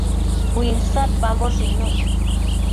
Uinsadpamboshë icnuc